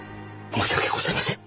申し訳ございません。